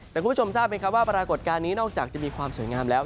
แต่คุณผู้ชมทราบไหมครับว่าปรากฏการณ์นี้นอกจากจะมีความสวยงามแล้ว